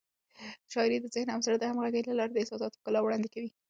شاعري د ذهن او زړه د همغږۍ له لارې د احساساتو ښکلا وړاندې کوي.